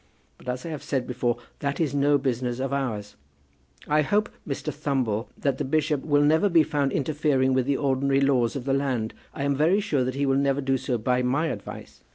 But, as I have said before, that is no business of ours. I hope, Mr. Thumble, that the bishop will never be found interfering with the ordinary laws of the land. I am very sure that he will never do so by my advice.